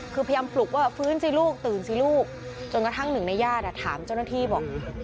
คือพยายามปลุกว่าฟื้นสิลูกตื่นสิลูกจนกระทั่งหนึ่งในญาติถามเจ้าหน้าที่บอก